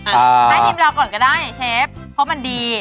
ให้ทีมเราก่อนก็ได้เชฟเพราะมันดี